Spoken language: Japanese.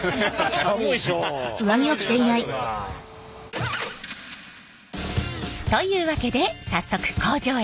寒いでしょう。というわけで早速工場へお邪魔します。